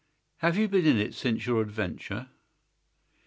"Have you been in it since your adventure?"